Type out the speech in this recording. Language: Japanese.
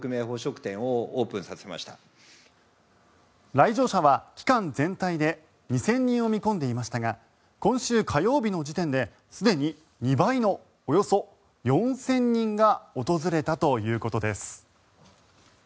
来場者は期間全体で２０００人を見込んでいましたが今週火曜日の時点ですでに、２倍のおよそ４０００人が訪れたということです。